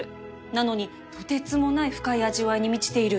なのにとてつもない深い味わいに満ちている